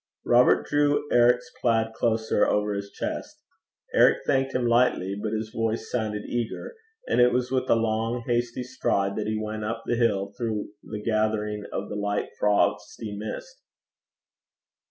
Robert drew Eric's plaid closer over his chest. Eric thanked him lightly, but his voice sounded eager; and it was with a long hasty stride that he went up the hill through the gathering of the light frosty mist.